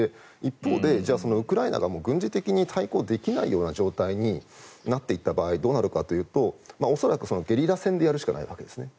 一方でウクライナが軍事的に対抗できない状況になっていった場合どうなるかというと恐らくゲリラ戦でやるしかないわけです。